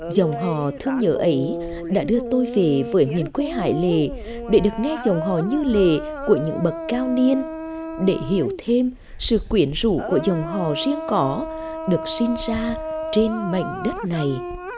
dòng hò thương nhớ ấy đã đưa tôi về với miền quê hải lề để được nghe dòng hò như lề của những bậc cao niên để hiểu thêm sự quyển rũ của dòng hò riêng có được sinh ra trên mạnh đất này